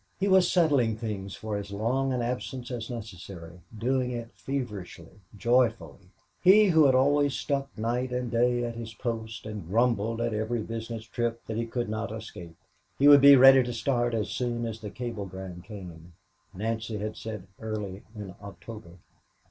He was settling things for as long an absence as necessary, doing it feverishly, joyfully he who had always stuck night and day at his post and grumbled at every business trip that he could not escape. He would be ready to start as soon as the cablegram came; Nancy had said early in October.